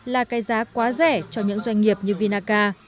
là cái giá quá rẻ cho những doanh nghiệp như vinaca